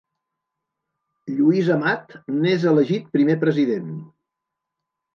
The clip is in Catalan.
Lluís Amat n'és elegit primer president.